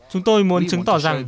chúng tôi muốn chứng tỏ rằng